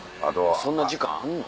そんな時間あんの？